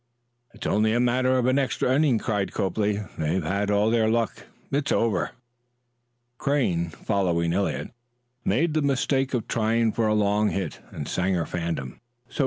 "It's only a matter of an extra inning," cried Copley. "They've had all their luck; it's over." Crane, following Eliot, made the mistake of trying for a long hit, and Sanger fanned him.